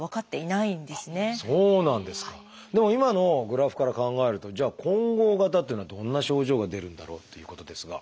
でも今のグラフから考えるとじゃあ混合型っていうのはどんな症状が出るんだろうっていうことですが。